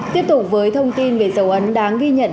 tiếp tục với thông tin về dấu ấn đáng ghi nhận